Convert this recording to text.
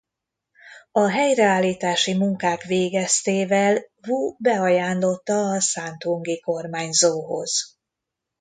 A helyreállítási munkák végeztével Vu beajánlotta a santungi kormányzóhoz.